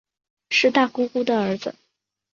是大姑姑的儿子